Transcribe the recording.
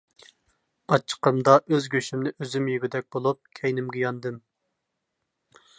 ئاچچىقىمدا ئۆز گۆشۈمنى ئۆزۈم يېگۈدەك بولۇپ، كەينىمگە ياندىم.